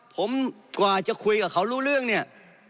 ผมกว่าจะคุยกับเขารู้เรื่องเนี่ย